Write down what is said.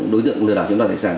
đối tượng lừa đảo trong tài sản